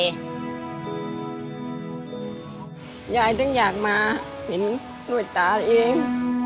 ยายถึงอยากมาเห็นด้วยตาเอง